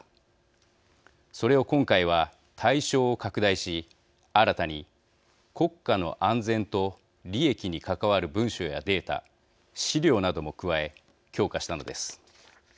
それを今回は対象を拡大し新たに国家の安全と利益に関わる文書やデータ資料なども加え強化したのです。